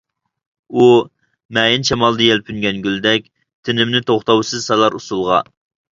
ئۇ مەيىن شامالدا يەلپۈنگەن گۈلدەك، تېنىمنى توختاۋسىز سالار ئۇسسۇلغا.